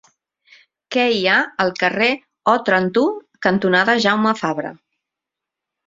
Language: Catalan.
Què hi ha al carrer Òtranto cantonada Jaume Fabra?